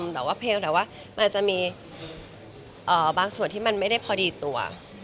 แต่ว่าเพลแต่ว่ามันอาจจะมีบางส่วนที่มันไม่ได้พอดีตัว